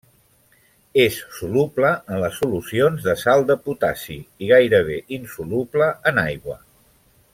És soluble en les solucions de sal de potassi i gairebé insoluble en aigua.